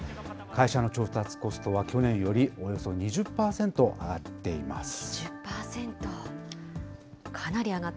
会社の調達コストは、去年よりおよそ２０％上がっています。